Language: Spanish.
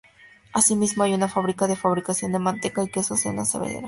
Así mismo hay una fábrica de fabricación de manteca y quesos y una cervecera.